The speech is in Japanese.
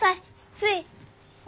つい。